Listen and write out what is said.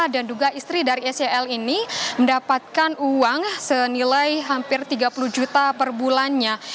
dan juga istri dari sel ini mendapatkan uang senilai hampir tiga puluh juta per bulannya